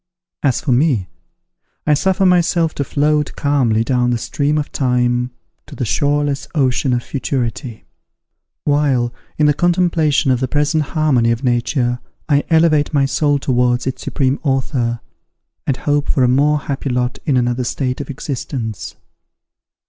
As for me, I suffer myself to float calmly down the stream of time to the shoreless ocean of futurity; while, in the contemplation of the present harmony of nature, I elevate my soul towards its supreme Author, and hope for a more happy lot in another state of existence.